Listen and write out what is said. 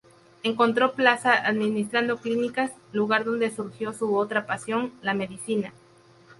Encontró plaza administrando clínicas, lugar donde surgió su otra pasión: la medicina.